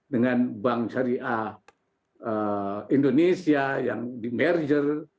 dengan bank syariah indonesia yang di merger